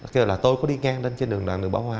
kêu là tôi có đi ngang lên trên đường đoàn đường bảo hoa